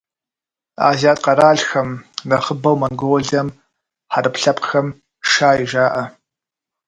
Азиат къэралхэм, нэхъыбэу Монголием, хьэрып лъэпкъхэм - «шай» жаӏэ.